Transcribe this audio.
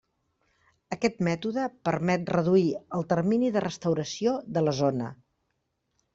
Aquest mètode permet reduir el termini de restauració de la zona.